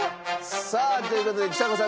さあという事でちさ子さん